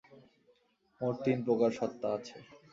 মোট তিন প্রকার সত্তা আছে।